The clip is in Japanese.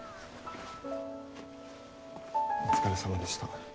お疲れさまでした。